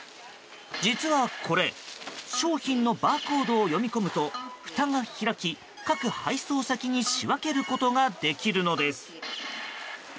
実はこれ、商品のバーコードを読み込むと、ふたが開き各配送先に仕分けることができるのです。